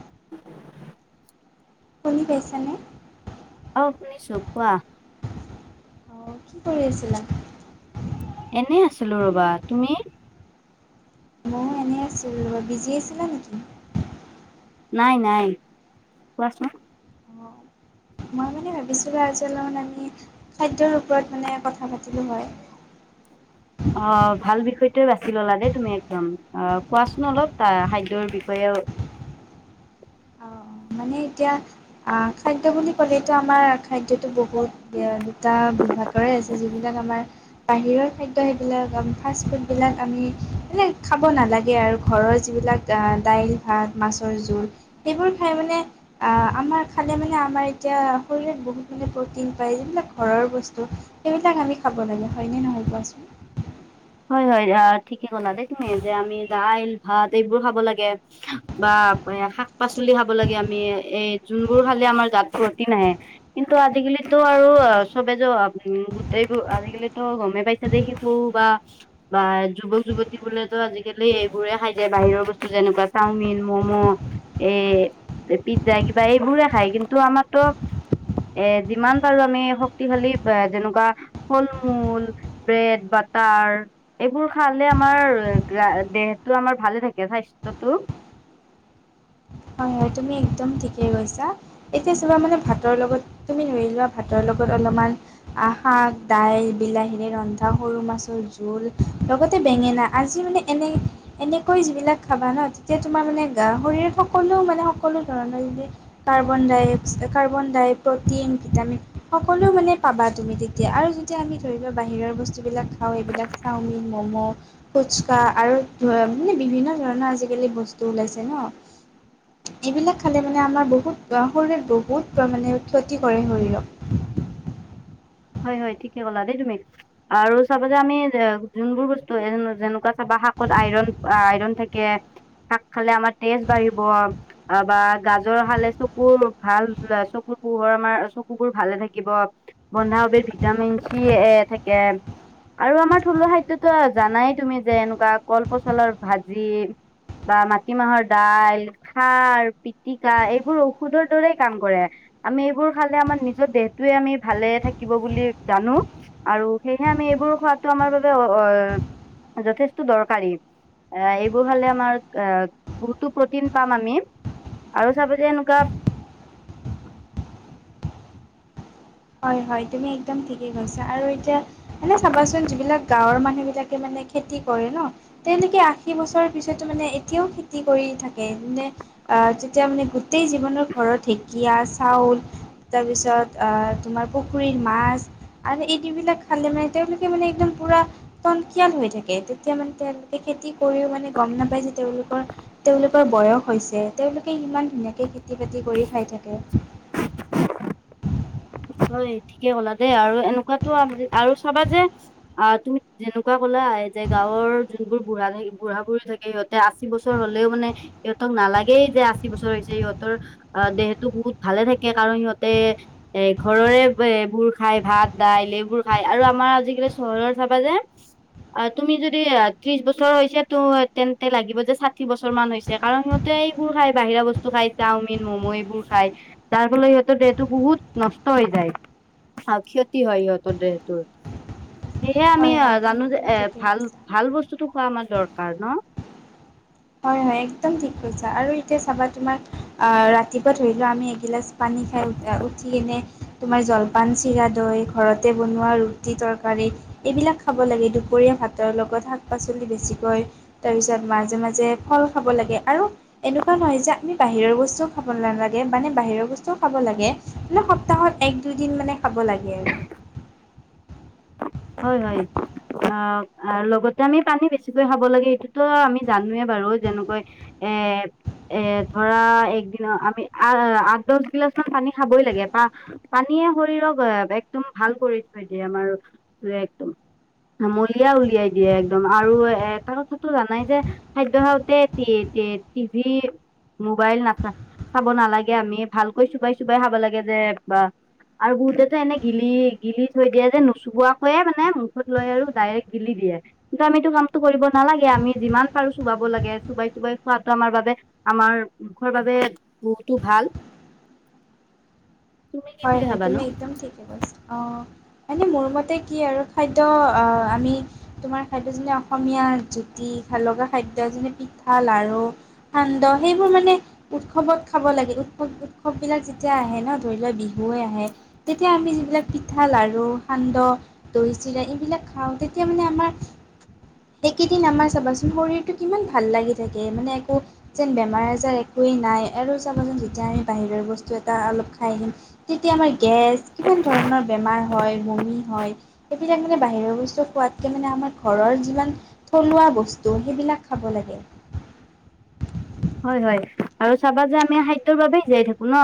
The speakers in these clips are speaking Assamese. [inaudible] শনি পাইছনে? অ', শুনিছো কোৱা অ', কি কৰি আছিলা। এনে আছিলো ৰবা, তুমি ময়ো এনেই আছিলো বিজি আছিলা নেকি নাই-নাই, কোৱাচোন মই মানে ভাবিছিলোঁ আজি অলপমান আমি, খাদ্যৰ ওপৰত মানে কথা পাতিলোঁ হয় [inaudible] অ', ভাল বিষয়টো বাছি ললা দেই তুমি একদম, অ', কোৱাচোন অলপ ত খাদ্যৰ বিষয়েও অ', মানে এতিয়া, আ', খাদ্য বুলি ক'লেতটো আমাৰ, খাদ্যয়তটো বহুত, দুটা'বি হৈয়ে আছে, যিবিলাক আমাৰ বাহিৰৰ খাদ্য সেইবিলাক আ, ফাষ্ট ফুড বিলাক আমি মানে খাব নালাগে, আৰু ঘৰৰ যি যিবিলাক দাইল ভাত মাছৰ জোল, সেইবোৰ খাই মানে আ-আমাৰ খালে মানে আমাৰ এতিয়া, শৰীৰত বহুত মানে প্ৰটিন পায় যিবিলাক ঘৰৰ বস্তু হেইবিলাক আমি খাব লাগে, হয়নে নহয় কোৱাচোন হয়-হয়, ঠিকে ক'লা দেই তুমি। যে আমি দাইল, ভাত এইবোৰ খাব লাগে বা শাক পাচলি খাব লাগে আমি এই যোনবোৰ খালে আমাৰ জাত প্ৰটিন আহে, কিন্তু আজিকালি তো আৰু, অ', চবে যে আ', গোটেবোৰ আজিকালিটো গমেই পাইছ যে শিকো বা বা যুৱক যুৱতী বোলেতো আজিকালি এইবোৰে খাই যায় বাহিৰৰ বস্তু যেনেকুৱা চাওমিন, মম মম' এই পিজ্জা কিবা এইবোৰে খায় কিন্তু আমাৰতো এ যিমান পাৰো আমি শক্তিশালী যেনেকুৱা ফল মূল ব্ৰেড বা বাটাৰ এইবোৰ খালে আমাৰ দেহটো আমাৰ ভালে থাকে স্বাস্থ্যটো [inaudible] হয়, হয় তুমি একদম ঠিকে কৈছা, এতিয়া চাবা মানে ভাতৰ লগত তুমি ধৰি লোৱা ভাতৰ লগত অলপমান শাক দাইল বিলাহীৰে ৰন্ধা সৰু মাছৰ জোল লগতে বেঙেনা আজি মানে এনেকৈ যিবিলাক খাবা ন তেতিয়া তোমাৰ মানে গাহৰি হওক সকলো মানে সকলো ধৰণৰ যেনে কাৰ্বন ডাই অক্সাই কাৰ্বন ডাই প্ৰ'টিন ভিটামিন সকলো মানে পাবা তুমি তেতিয়া আৰু যেতিয়া আমি ধৰি লোৱা বাহিৰৰ বস্তুবিলাক খাওঁ এইবিলাক চাওমিন ম'ম' ফুচকা আৰু মানে বিভিন্ন ধৰণৰ আজিকালি বস্তু ওলাইছে ন উ এইবিলাক খালে মানে আমাৰ বহুত শৰীৰত বহুত মানে ক্ষতি কৰে শৰীৰক [inaudible] হয়, হয় ঠিকে ক'লা দেই তুমি আৰু চাবা যে আমি যোনবোৰ বস্তু যেনেকুৱা চাবা শাকত আইৰণ আইৰণ থাকে শাক খালে আমাৰ তেজ বাঢ়িব বা গাত গাজৰ খালে চকুৰ ভাল চকুৰ পোহৰ আমাৰ চকুবোৰ ভালে থাকিব বন্ধাকবিত ভিটামিন চি এ থাকে আৰু আমাৰ থলুৱা খাদ্যতো জানাই তুমি যে এনেকুৱা কলপচলাৰ ভাজি বা মাটিমাহৰ দাইল খাৰ পিটিকা এইবোৰ ঔষধৰ দৰেই কাম কৰে আমি এইবোৰ খালে আমাৰ নিজৰ দেহটোৱে আমি ভালে থাকিব বুলি জানো, আৰু সেয়েহে আমি এইবোৰ খোৱাটো আমাৰ বাবে অ যথেষ্ট দৰকাৰী। এ এইবোৰ খালে আমাৰ এ বহুতো প্ৰ'টিন পাম আমি। আৰু চাব যে এনকুৱা [unintelligible] হয় হয় তুমি একদম ঠিকেই কৈছা, আৰু এতিয়া মানে চাবাচোন যিবিলাক গাঁওৰ মানুহ বিলাকে মানে খেতি কৰে ন, তেওঁলোকে আশী বছৰৰ পিছতো মানে এতিয়াও খেতি কৰি থাকে মানে আ যেতিয়া মানে গোটেই জীৱনৰ ঘৰত ঢেঁকীয়া চাউল তাৰপিছত অঁ তোমাৰ পুখুৰীৰ মাছ আৰু এইবিলাক খালে মানে তেওঁলোকে মানে একদম পোৰা টনকিয়াল হৈ থাকে তেতিয়া মানে তেওঁলোকে খেতি কৰিও মানে গম নাপায় যে তেওঁলোকৰ তেওঁলোকৰ বয়স হৈছে। তেওঁলোকে ইমান ধুনীয়াকে খেতি বাতি কৰি খায় থাকে। হয় ঠিকে ক'লা দেই আৰু এনেকুৱাতো আৰু চাবা যে অ তুমি যেনেকুৱা কলা যে গাঁৱৰ যোনবোৰ বুঢ়া বুঢ়া বুঢ়ী থাকে সিহঁতে আশী বছৰ হ'লেও মানে সিহঁতক নালাগে লাগেই যে আশী বছৰ হৈছে সিহঁতৰ দেহটো বহুত ভালে থাকে কাৰণ সিহঁতে এ ঘৰৰে এইবোৰ খায় ভাত দাইল এইবোৰ খায় আৰু আমাৰ আজিকালি চহৰত চাবা যে অ তুমি যদি ত্ৰিশ বছৰ হৈছে তো তেন্তে লাগিব যে ষাঠি বছৰ মান হৈছে কাৰণ সিহঁতে এইবোৰ খায় বাহিৰা বস্তু খায় চাওমিন ম'ম' এইবোৰ খায় তাৰ ফলত ইহঁতৰ দেহতো বহুত নষ্ট হৈ যায় আৰু ক্ষতি হয় সিহঁতৰ দেহটোৰ। সেয়হে আমি হয় হয় তুমি জানো যে একদম এ ঠিকে ভাল কৈছা ভাল বস্তুটো খোৱা আমাৰ দৰকাৰ ন? হয়-হয় একদম ঠিক কৈছা আৰু এতিয়া চাবা তুমাক আ, ৰাতিপুৱা ধৰি লোৱা আমি এগিলাচ পানী খাই উঠ উঠি কেনে তোমাৰ জলপান চিৰা -দৈ ঘৰতে বনোৱা ৰুটি-তৰকাৰী এইবিলাক খাব লাগে দুপৰীয়া ভাতৰ লগত শাক-পাচলি বেছিকৈ তাৰপিছত মাজে-মাজে যে ফল খাব লাগে আৰু এনেকুৱা নহয় যে আমি বাহিৰৰ বস্তুও খাব নালাগে মানে বাহিৰৰ বস্তু খাব লাগে মানে সপ্তাহত এক, দুইদিন মানে খাব লাগে আৰু। হয়-হয় অ', অ', লগতে আমি পানী বেছিকৈ খাব লাগে এইটোতো আমি জানোৱে পাৰোঁ যেনেকৈ এ-এ ধৰা এক দিনত আমি আৰ আঠ, দছ গিলাচ [unintelligible] পানী খাবই লাগে পা-পানীয়ে শৰীৰক একদম ভাল কৰি থৈ দিয়ে আমাৰ টোৱে একদম আমলিয়া উলিয়াই দিয়ে, একদম আৰু এটা কথাাতটো জানাই যে খাদ্য খাওঁতে তে তিভি মোবাইল নাটক চাব নালাগে আমি ভালকৈ চোবাই চোবাই খাব লাগে যে বা আৰু বহুতেতো এনে গিলি-গিলি থৈ দিয়ে যে নোচোবোৱাকে হয়ে মানে মুখত লৈ আৰু ডাইৰেক্ট গিলি দিয়ে। কিন্তু আমিতো কামটো কৰিব নালাগে। আমি যিমান পাৰো চোবাব খাব লাগে চুবাই চোবাই খোৱাটো আমাৰ বাবে আমাৰ মুখৰ বাবে বহুতো ভাল। তুমি কি হয়, বুলি হয় ভাবানো তুমি একদম ঠিকে কৈছা আহ মানে মোৰ মতে কি আৰু খাদ্য আমি তোমাৰ খাদ্য যেনে অসমীয়া জ্যুতি ভাল লগা খাদ্য যেনে পিঠা, লাৰু, সান্দহ সেইবোৰ মানে উৎসৱত খাব লাগে। উৎসৱ-উৎসৱ বিলাক যেতিয়া আহে ন' ধৰি লোৱা বি বৈ আহে তেতিয়া আমি যিবিলাক পিঠা লাড়ু সান্দহ দৈ চিৰা এইবিলাক খাওঁ তেতিয়া তেতিয়া মানে আমাৰ সেইকেইদিন আমাৰ চাবাচোন শৰীৰতটো কিমান ভাল লাগি থাকে। মানে একো যেন বেমাৰ আজাৰ একোৱে নাই আৰু চাবাচোন যেতিয়া আমি বাহিৰা বস্তু এটাৰ আমি খাই আহিম তেতিয়া গেছ কিমান ধৰণৰ বেমাৰ হয় বমি হয় [inaudible] বাহিৰা বস্তু খোৱাতকৈ আমাৰ ঘৰৰ যিবিলাক থলুৱা বস্ত সেইবিলাক খাব লাগে। হয় হয় আৰু চাবা যে আমি খাদ্যয়ৰ বাবোবেই জীয়াই থাকো ন।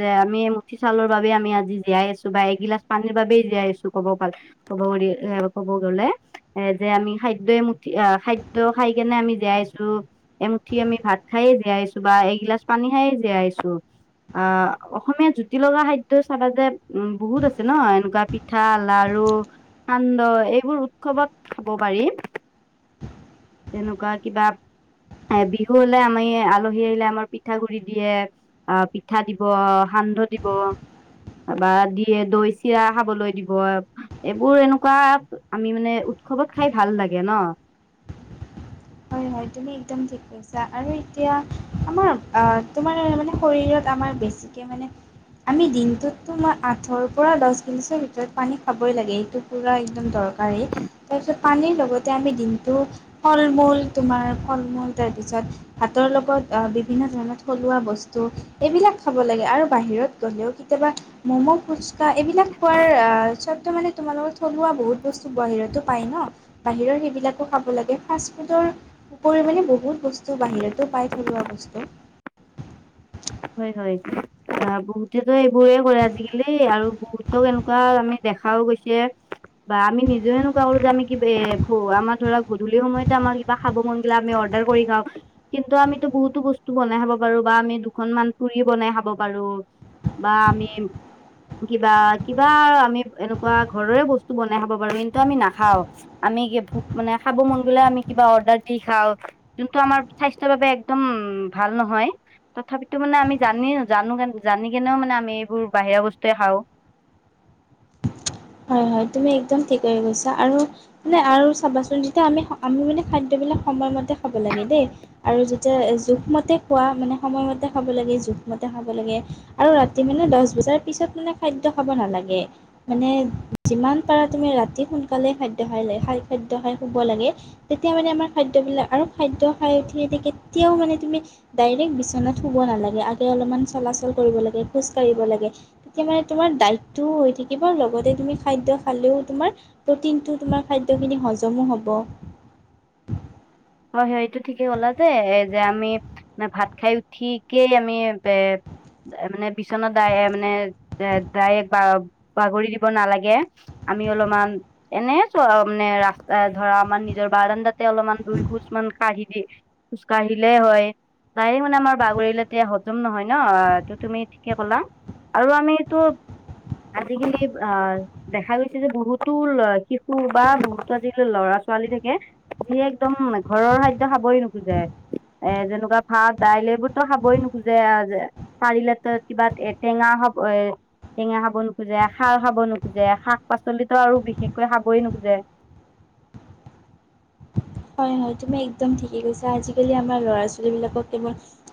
যে আমি মুঠি চাউলৰ বাবে আমি আমি আজি জীয়াই আছো। বা এগিলাচ পানীৰ বাবেই জীয়াই আছো্ কব পাৰ কব গ এ ক'ব গলে। এ যে আমি খাদ্য এ মুুঠি আহ খাদ্য খাই কেনে আমি জীয়াই আছো এমুঠি আমি ভাত খাইে জীয়াই আছো বা এগিলাচ পানী খায়ে জীয়াই আছো অ' অসমীয়া জুতি লগা খাদ্য চাবা যে উ বহুত আছে ন এনেকুৱা পিঠা লাৰু। আৰু সান্দহ এইবোৰ উৎসৱত খাব পাৰি। [inaudible] তেনেকুৱা কিবা, এহ বিহু আমি আলহী আহিলে আমাৰ পিঠাাগুৰি দিয়ে আহ পিঠা দিব সান্দহ দিব। বা দিয়ে দৈ চিৰা খাবলৈ দিব, এইবোৰ এনেকুৱা আমি মানে খবত খাই ভাল লাগে ন। [inaudible] হয়-হয় তুমি একদম ঠিক কৈছা আৰু এতিয়া আমাৰ অ', তোমাৰ মানে শৰীৰত আমাৰ বেছিকৈ মানে আমি দিনটোতো মই আঠৰ পৰা দহ গিলিছৰ ভিতৰত পানী খাবই লাগে। এইটো পুৰা একদম দৰ ৰ তাৰপিছত পানীৰ লগতে আমি দিনটো ফল মূল তোমাৰ ফল মূল তাৰপিছত ভাতৰ লগত বিভিন্ন ধৰণৰ থলুৱা বস্তু এইবিলাক খাব লাগে আৰু বাহিৰত গ'লেও কেতিয়াবা ম'ম' ফুচকা এইবিলাক খোৱাৰ স্ব মানে তোমালোকৰ থলুৱা বহুত বস্তু বাহিৰতো পায় ন', বাহিৰৰ সেইবিলাকো খাব লাগে ফাষ্ট ফুডৰ ওপৰিও বহুত বস্তু বাহিৰতো পাই থলোৱা বস্তু। হয়, হয়। অ বহুতেতো এইবোৰেই কৰে আজিকালি আৰু বহুত এনেকুৱা আমি দেখাও গৈছে বা আমি নিজেও এনেকুৱা কৰো যে আমি কিবি আমাৰ ধৰা গধূলি সময়তে আমাৰ কিবা খাব মন গিলা আমি অড্ৰাৰ কৰি খাওঁ, কিন্তু আমিতো বহুতো বস্তু বনাই খাব পাৰোঁ বা আমি অকনমান পুৰি বনাই খাব পাৰো বা আমি কিবা-কিবা আমি এনেকুৱা ঘৰৰে বস্তু বনাই খাব পাৰো। কিন্তু, আমি নাখাও। আমি ভোক মানে খাব মন গলে আমি কিবা অৰ্ডাৰ দি খাওঁ যোনটো আমাৰ স্বাস্থ্য বাবে একদম উ, ভাল নহয়। তথাপিতো মানে আমি জানিও জানো জানি কেনেও মানে আমি এইবোৰ বাহিৰা বস্তুৱে খাওঁ। [inaudible] হয়-হয় তুমি একদম ঠিকে কৈছা আৰু মানে আৰু চাবাচোন যেতিয়া আমি-আমি মানে খাদ্য বিলাক সময়মতে খাব লাগে দেই আৰু যেতিয়া জোখমতে খোৱা মানে সময়মতে খাব লাগে জোখমতে খাব লাগে আৰু ৰাতি মানে দহ বজাৰ পিছত মানে খাদ্য খাব নালাগে মানে যিমান পাৰা তুমি ৰাতি সোনকালে খাদ্য খাই লে খাই খাদ্য খাই শুব লাগে তেতিয়া মানে আমাৰ খাইদ [unintelligible] আৰু খাদ্য খাই উঠি [unintelligible] কেতিয়াও মানে দাইৰেক্ট বিছনাত শুব নালাগে আগে অলপ মান চলাচল কৰিব লাগে খোজকাঢ়িব লাগে তেতিয়া মানে তোমাৰ দাইটটো হৈ থাকিব লগতে তুমি খাদ্য খালেও তোমাৰ প্ৰটিনটো তোমাৰ খাদ্যখিনি হজমো হ'ব। [inaudible] হয়- হয় এইটো ঠিকেই হলা যে-যে আমি মানে ভাত খাই উঠিকেই আমি বে এ মানে বিছনা ডাই মানে এ ডাইৰেক্ট বা -বাগৰি দিব নালাগে আমি অলমান এনে চোৱা মানে ৰাস্তা ধৰা আমাৰ নিজৰ বাৰানদাতে অলপমান দুই [unintelligible] কাঢ়ি দি খোজকাঢ়িলে হয়। যাই মানে আমাৰ বাগৰিলে এতিয়া তে হজম নহয় ন, ত' তুমি ঠিকে কলা আৰু আমিটো আজিকালি অ, দেখা গৈছে যে বহুতোৰ শিশু বা বহুতো আজিকালি ল'ৰা ছোৱালী থাকে যিয়ে একদম ঘৰৰ খাদ্য খাবই নোখোজে এ যেনেকুৱা ভাত দাইল এইবোৰতো খাবই নোখোজে আজ পাৰিলেতো এ কিবা এ টেঙা হ'ব এ টেঙা খাব নোখোজে, খাৰ খাব নোখোজে, শাক পাচলিতো আৰু বিশেষকৈ খাবই নোখোজে। [inaudible] হয়, তুমি একদম ঠিকে কৈছা আজিকালি আমাৰ ল'ৰা ছোৱালীবিলাকক কেৱল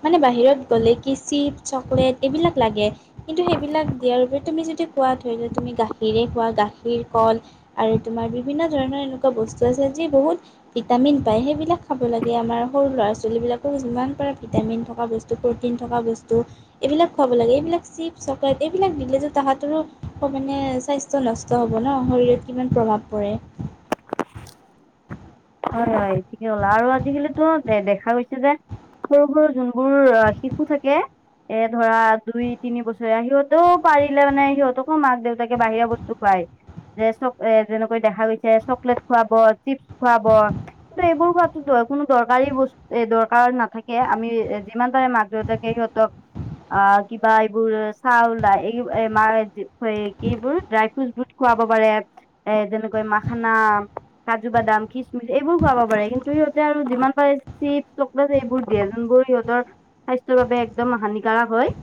মানে বাহিৰত গ'লে কি চি চিপ চকলেট এইবিলাক লাগে কিন্তু সেইবিলাক দিয়ৰবি তুমি যদি কোৱা ধৰি লোৱা যদি গাখীৰে খো পোৱা গাখীৰ, কল আৰু তোমাৰ বিভিন্ন ধৰণৰ এনেকুৱা বস্তু আছে যি বহুত ভিটামিন পায় সেইবিলাক খাব লাগে আমাৰ সৰু ল'ৰা ছোৱালীবিলাকো যিমান পাৰে ভিটামিন থকা বস্তুবোৰ মিন থকা বস্তু, এইবিলাক খুৱাব লাগে এইবিলাক চিপছ চকলেট এইবিলাক দিলে যে তাহাঁতৰো মানে এ স্বাস্থ্য নষ্ট হব ন' শৰীৰত কিমান প্ৰভাৱ পৰে। হয়, হয়, ঠিকে ক'লা আৰু আজিকালিতো এ দেখা গৈছে যে সৰু, সৰু যোনবোৰ শিশু থাকে এ ধৰা দুই তিনি বছৰে সিহঁতেও পাৰিলে মানে সিহঁতকো মাক দেউতাকে বাহিৰা বস্তু খুৱাই। যে চব এ যেনেকৈ দেখা গৈছে চকলেট খুৱাব চিপছ খুৱাব। কিন্তু এইবোৰ খোৱা কোনো দৰকাৰী বস্তু এ দৰকাৰ নাথাকে আমি যিমান পাৰে মাক দেউতাকে সিহঁতক অ, কিবা এইবোৰ চাউল [unintelligible] কি এইবোৰ ড্ৰাই ফ্ৰুট খুৱাব পাৰে, এ যেনেকৈ মাখানা, কাজু বাদাম। কিচমিচ এইবোৰ খোৱাব পাৰে, কিন্তু সিহঁতে আৰু যিমান পাৰে চিপছ চকলেট এইবোৰ দিয়ে যোনবোৰ সিহঁতৰ স্বাস্থ্যৰ বাবে একদম হানিকাৰক হয়,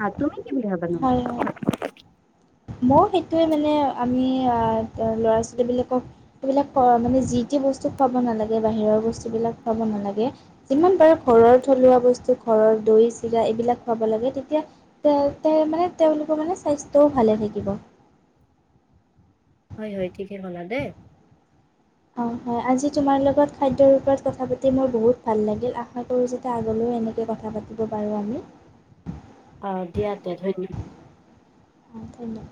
আহ তুমি কি [unintelligible] মই সেইটোৱে মানে আমি আহ ল'ৰা ছোৱালী বিলাকক সেবিলাক মানে যি টি বস্তু খোৱাব নালাগে বাহিৰৰ বস্তু বিলাক খাব নালাগে যিমান পাৰে ঘৰৰ থুৱা বস্তু ঘৰৰ দৈ চিৰা এইবিলাক খোৱাব লাগে। তেতিয়া তে মানে তেওঁলোকৰ মানে স্বাস্থ্যও ভালে থাক কিব হয়-হয় ঠিকেই কলা দেই অ, হয় আজি তোমাৰ লগত খাদ্যৰ ওপৰত কথা পাতি মোৰ বহুত ভাল লাগিল। আশা কৰো যে আগলৈ এনেকে কথা পাতিব পাৰোঁ আমি অ, দিয়াতে ধন্য অ, ধন্যবাদ